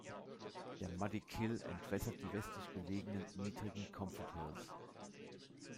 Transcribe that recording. Der Muddy Kill entwässert die westlich gelegenen, niedrigen Comfort Hills.